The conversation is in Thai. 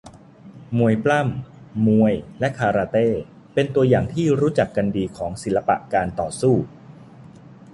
มวยปล้ำ มวยและคาราเต้เป็นตัวอย่างที่รู้จักกันดีของศิลปะการต่อสู้